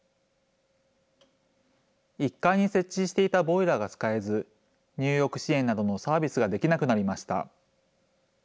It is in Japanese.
１階に設置していたボイラーが使えず、入浴支援などのサービスができなくなりました。